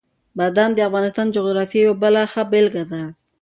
بادام د افغانستان د جغرافیې یوه بله ښه بېلګه ده.